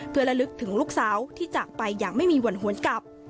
เพื่อระลึกถึงลูกสาวที่จากไปอย่างไม่มีวันหวนกลับ